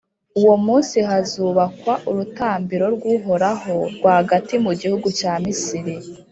Uwo munsi, hazubakwa urutambiro rw’Uhoraho rwagati mu gihugu cya Misiri,